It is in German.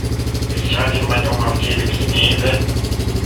Wie schaltet man um auf Telekinese?